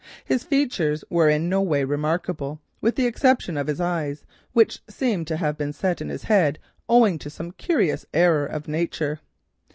His features were in no way remarkable, with the exception of his eyes, which seemed to have been set in his head owing to some curious error of nature.